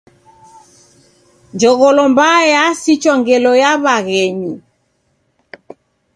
Jogholo mbaa yasichwa ngelo ya w'aghenyu.